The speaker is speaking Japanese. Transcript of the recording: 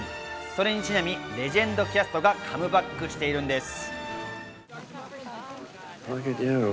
それにちなみレジェンドキャストがカムバックしているんです。